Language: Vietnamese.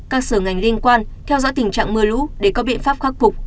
các sở ngành liên quan theo dõi tình trạng mưa lũ để có biện pháp khắc phục